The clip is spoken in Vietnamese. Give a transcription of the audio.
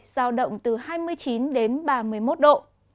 giao động từ hai mươi chín đến ba mươi một độ